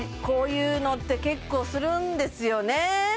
こういうのって結構するんですよね